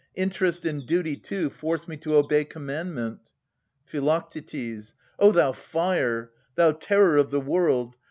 Interest, and duty too, Force me to obey commandment. Phi. O thou fire. Thou terror of the world